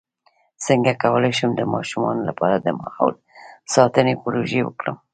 څنګه کولی شم د ماشومانو لپاره د ماحول ساتنې پروژې وکړم